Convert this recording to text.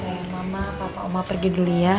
yaudah sayang mama papa oma pergi dulu ya